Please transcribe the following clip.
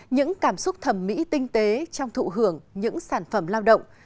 những cảm xúc thẩm mỹ tinh tế trong thụ hưởng những sản phẩm lao động